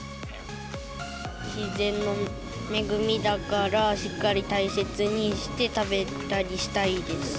自然の恵みだから、しっかり大切にして食べたりしたいです。